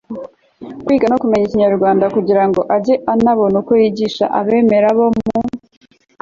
kwiga no kumenya ikinyarwanda kugira ngo ajye anabona uko yigisha abemera bo mu